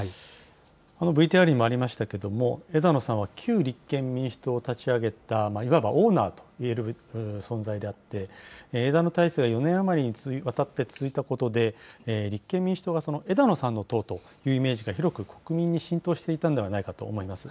ＶＴＲにもありましたけれども、枝野さんは旧立憲民主党を立ち上げた、いわばオーナーといえる存在であって、枝野体制、４年余りにわたって続いたことで、立憲民主党が枝野さんの党というイメージが広く国民に浸透していたんではないかと思います。